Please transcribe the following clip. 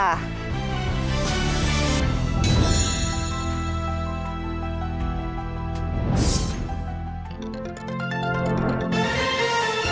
โปรดติดตามตอนต่อไป